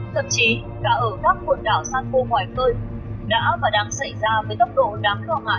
thậm chí cả ở các nguồn đảo san khô ngoài phơi đã và đang xảy ra với tốc độ đáng lo ngại